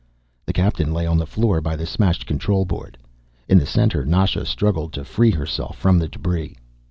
The Captain lay on the floor by the smashed control board. In the corner Nasha struggled to free herself from the debris.